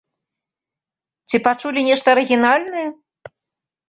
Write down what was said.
Ці пачулі нешта арыгінальнае?